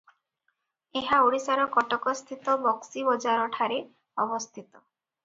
ଏହା ଓଡ଼ିଶାର କଟକସ୍ଥିତ ବକ୍ସି ବଜାରଠାରେ ଅବସ୍ଥିତ ।